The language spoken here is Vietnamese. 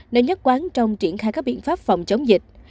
nơi nhất quán trong triển khai các biện pháp phòng chống dịch